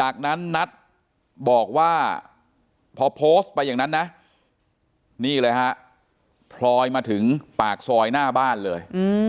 จากนั้นนัทบอกว่าพอโพสต์ไปอย่างนั้นนะนี่เลยฮะพลอยมาถึงปากซอยหน้าบ้านเลย